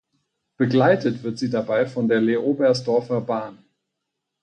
Begleitet wird sie dabei von der Leobersdorfer Bahn.